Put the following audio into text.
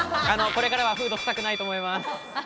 これからはフード、臭くないと思います。